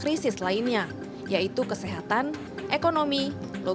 kenaikan ini akibat pandemi yang menyebabkan libur